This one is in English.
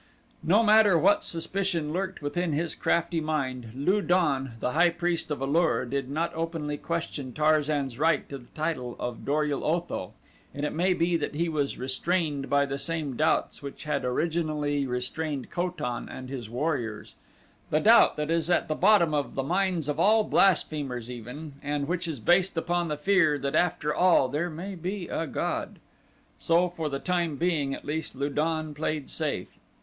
No matter what suspicion lurked within his crafty mind, Lu don, the high priest of A lur, did not openly question Tarzan's right to the title of Dor ul Otho, and it may be that he was restrained by the same doubts which had originally restrained Ko tan and his warriors the doubt that is at the bottom of the minds of all blasphemers even and which is based upon the fear that after all there may be a god. So, for the time being at least Lu don played safe.